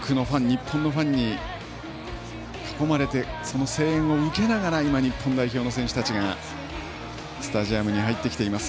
日本のファンに囲まれてその声援を受けながら今、日本代表の選手たちがスタジアムに入ってきています。